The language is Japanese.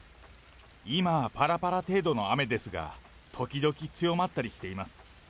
今はぱらぱら程度の雨ですが、時々、強まったりしています。